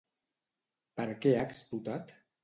Per què ha explotat?